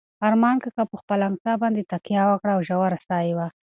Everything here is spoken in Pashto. ارمان کاکا په خپله امسا باندې تکیه وکړه او ژوره ساه یې واخیسته.